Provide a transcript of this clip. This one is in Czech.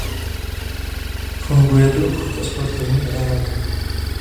Funguje tu obchod a sportovní areály.